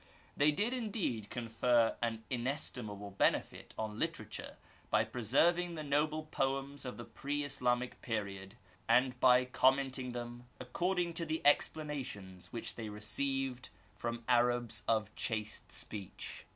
They did indeed confer an inestimable benefit on literature by preserving the noble poems of the pre Islamic period, and by commenting them according to the explanations which they received from Arabs of chaste speech.